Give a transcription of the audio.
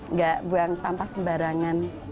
nggak buang sampah sembarangan